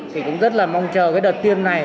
thì cũng rất là mong chờ cái đợt tiêm này